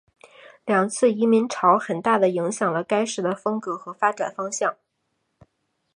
两次移民潮很大的影响了该市的风格和发展方向。